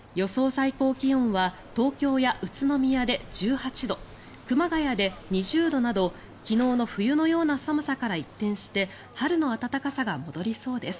最高気温は東京や宇都宮で１８度熊谷で２０度など、昨日の冬のような寒さから一転して春の暖かさが戻りそうです。